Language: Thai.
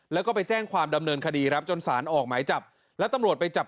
แล้วก็ไปแจ้งความดำเนินคดีครับจนสารออกหมายจับแล้วตำรวจไปจับ